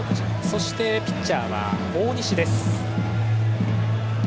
そしてピッチャーは大西です。